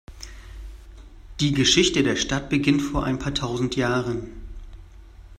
Die Geschichte der Stadt beginnt vor ein paar tausend Jahren.